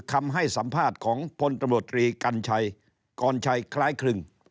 คำให้สัมภาษณ์ของพลตำรวจตรีกัญชัยกรชัยคล้ายครึ่ง